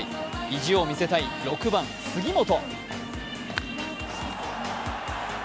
意地を見せたい６番・杉本。